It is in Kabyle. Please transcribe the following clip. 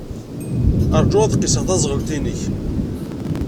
Ṛju ad qisseɣ taẓɣelt-nnek.